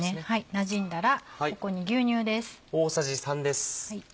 なじんだらここに牛乳です。